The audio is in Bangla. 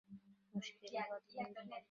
মুশকিল বাধল এই নিয়ে।